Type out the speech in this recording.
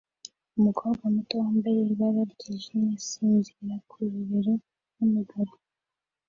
Umukobwa muto wambaye ibara ryijimye asinzira ku bibero byumugabo